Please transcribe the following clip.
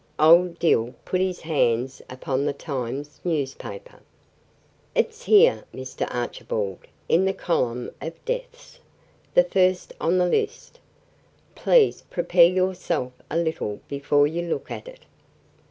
Old Dill put his hands upon the Times newspaper. "It's here, Mr. Archibald, in the column of deaths; the first on the list. Please, prepare yourself a little before you look at it."